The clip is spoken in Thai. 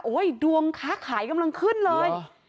ดวงค้าขายกำลังขึ้นเลย